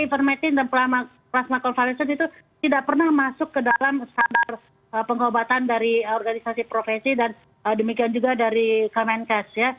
ivermectin dan plasma konvalesen itu tidak pernah masuk ke dalam standar pengobatan dari organisasi profesi dan demikian juga dari kemenkes